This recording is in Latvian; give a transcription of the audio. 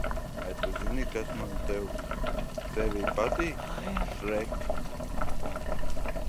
Vai tu zini kas man tevī patīk, Šrek?